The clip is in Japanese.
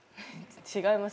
違います。